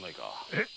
えっ？